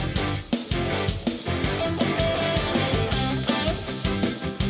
เมาที่